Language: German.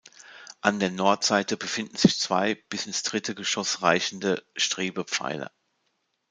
An der Nordseite befinden sich zwei bis ins dritte Geschoss reichende Strebepfeiler.